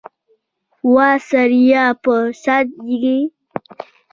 وا سړیه پر سد یې ؟